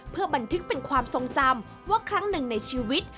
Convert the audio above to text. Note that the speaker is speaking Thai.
เพื่อบันทึกเป็นความทรงจำว่าครั้งหนึ่งในชีวิต